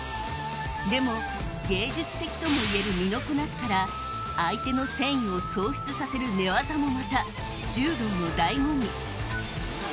でも芸術的ともいえる身のこなしから相手の戦意を喪失させる寝技もまた柔道の醍醐味。